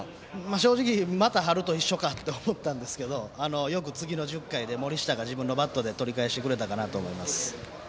正直、春と一緒かと思ったんですけどよく次の１０回で森下が自分のバットで取り返してくれたと思います。